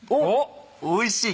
おいしい？